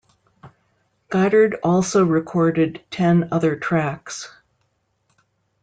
Godard also recorded ten other tracks.